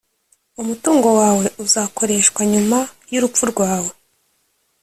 Umutungo wawe uzakoreshwa nyuma y urupfu rwawe